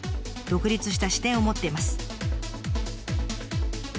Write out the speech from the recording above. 独立した視点を持っています。